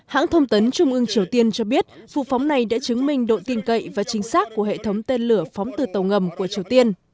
hãng thông tấn trung ương triều tiên cho biết vụ phóng này đã chứng minh độ tin cậy và chính xác của hệ thống tên lửa phóng từ tàu ngầm của triều tiên